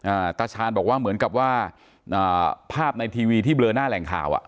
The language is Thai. อ่าตาชาญบอกว่าเหมือนกับว่าอ่าภาพในทีวีที่เบลอหน้าแหล่งข่าวอ่ะ